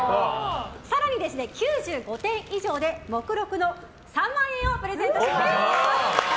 更に、９５点以上で目録の３万円をプレゼントします。